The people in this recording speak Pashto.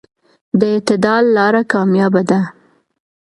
د اعتدال لاره کاميابه ده.